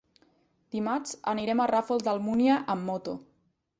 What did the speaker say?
Dimarts anirem al Ràfol d'Almúnia amb moto.